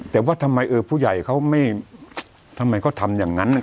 แต่ว่าทำไมเออผู้ใหญ่เขาไม่ทำไมเขาทำอย่างนั้น